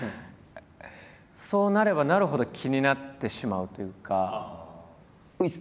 そうなればなるほど気になってしまうというか。